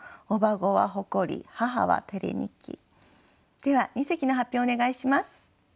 では二席の発表お願いします。